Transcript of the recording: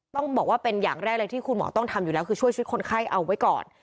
ต้องบอกว่าเป็นอย่างแรกเลยที่คุณหมอต้องทำอยู่แล้วคือช่วยชีวิตคนไข้เอาไว้ก่อน